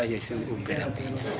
ya itu umpirampenya